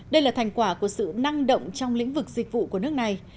đây là thành quả của sự năng động trong lĩnh vực dịch vụ của nước này